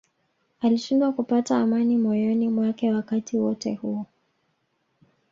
Alishindwa kupata amani moyoni mwake wakati wote huo